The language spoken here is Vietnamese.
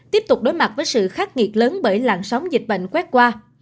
tiếp tục đối mặt với sự khắc nghiệt lớn bởi làn sóng dịch bệnh quét qua